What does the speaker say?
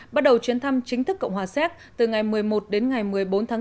bắt đầu chuyến thăm chính thức cộng hòa séc từ ngày một mươi một đến ngày một mươi bốn tháng bốn